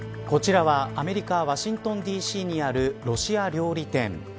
こちらはアメリカワシントンＤ．Ｃ．にあるロシア料理店。